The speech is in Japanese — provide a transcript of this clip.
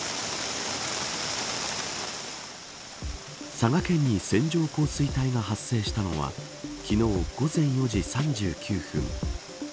佐賀県に線状降水帯が発生したのは昨日午前４時３９分。